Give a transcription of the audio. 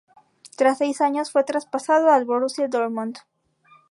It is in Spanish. Tras seis años fue traspasado al Borussia Dortmund.